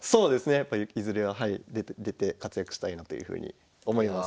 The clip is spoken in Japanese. やっぱいずれは出て活躍したいなというふうに思います。